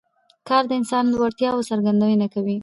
کار د انسان د وړتیاوو څرګندونه کوي